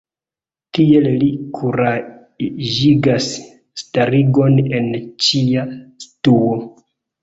Tiel li kuraĝigas starigon en ĉia situo.